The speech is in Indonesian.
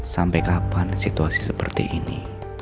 sampai kapan situasi seperti ini